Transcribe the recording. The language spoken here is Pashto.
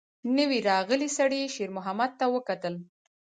نوي راغلي سړي شېرمحمد ته وکتل.